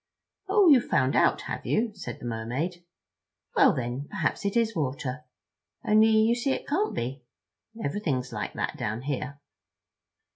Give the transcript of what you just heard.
"Oh, you've found out, have you?" said the Mermaid. "Well, then, perhaps it is water. Only you see it can't be. Everything's like that down here."